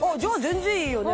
全然いいよね